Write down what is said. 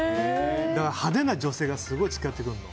だから派手な女性がすごい近寄ってくるの。